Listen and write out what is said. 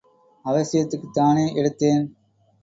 அவசியத்துக்காகத் தானே எடுத்தேன்.